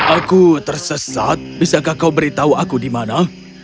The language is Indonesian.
aku tersesat bisakah kau beritahu aku di mana